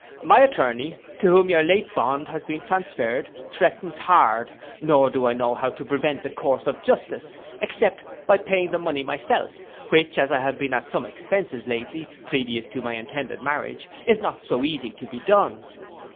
My attorney, to whom your late bond has been transferred, threatens hard, nor do I know how to prevent the course of justice, except by paying the money myself, which, as I have been at some expences lately, previous to my intended marriage, is not so easy to be done.